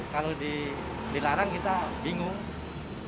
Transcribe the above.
kalau dilarang kita bingung